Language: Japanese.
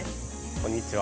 こんにちは。